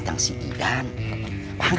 kamu siapa sih